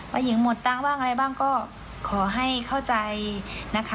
หญิงหมดตังค์บ้างอะไรบ้างก็ขอให้เข้าใจนะคะ